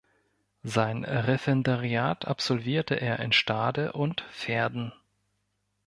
Sein Referendariat absolvierte er in Stade und Verden.